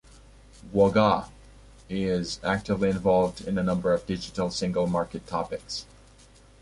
Guoga is actively involved in a number of Digital Single Market topics.